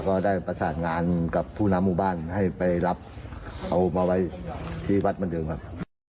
ก็ได้ประสานงานกับผู้นำหมู่บ้านให้ไปรับเอามาไว้ที่วัดเหมือนเดิมครับ